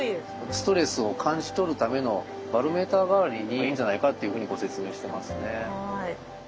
ストレスを感じ取るためのバロメーター代わりにいいんじゃないかっていうふうにご説明してますね。